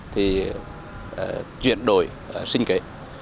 thì chuyển đổi sinh kế